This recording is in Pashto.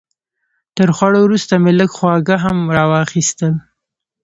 تر خوړو وروسته مې لږ خواږه هم راواخیستل.